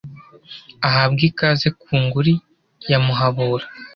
ahabwa ikaze ku nguli ya muhabura